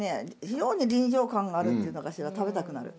非常に臨場感があるっていうのかしら食べたくなる。